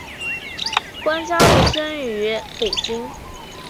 关嘉禄生于北京。